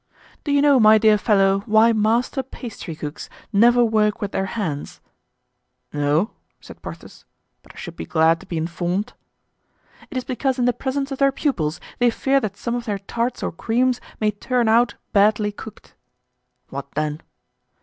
"Do you know, my dear fellow, why master pastrycooks never work with their hands?" "No," said Porthos, "but I should be glad to be informed." "It is because in the presence of their pupils they fear that some of their tarts or creams may turn out badly cooked." "What then?"